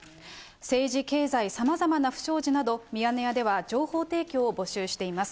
政治経済、さまざまな不祥事など、ミヤネ屋では情報提供を募集しています。